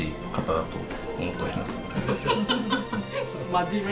真面目。